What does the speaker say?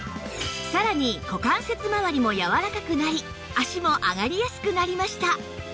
さらに股関節まわりもやわらかくなり脚も上がりやすくなりました